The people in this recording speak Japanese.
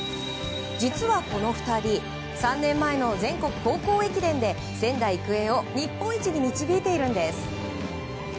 実は、この２人３年前の全国高校駅伝で仙台育英を日本一に導いているんです。